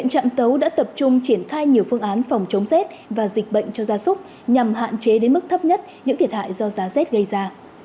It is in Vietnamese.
nên triển khai nhiều phương án phòng chống z và dịch bệnh cho gia súc nhằm hạn chế đến mức thấp nhất những thiệt hại do giá z gây ra